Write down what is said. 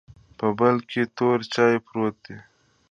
په بل کې تور چاې پروت و.